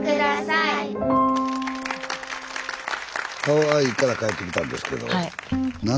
ハワイから帰ってきたんですけど。